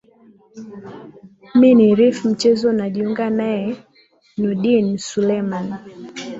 m ni rfi mchezo unajiunga nae nudin suleman